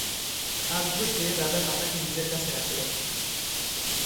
আজ হইতে রাজা তাতাকে নিজের কাছে রাখিলেন।